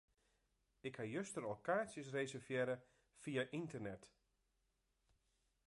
Ik ha juster al kaartsjes reservearre fia ynternet.